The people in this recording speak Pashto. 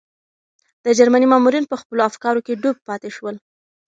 د جرمني مامورین په خپلو افکارو کې ډوب پاتې شول.